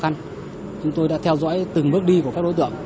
chúng tôi đã theo dõi từng bước đi của các đối tượng